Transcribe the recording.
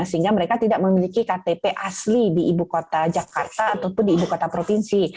sehingga mereka tidak memiliki ktp asli di ibu kota jakarta ataupun di ibu kota provinsi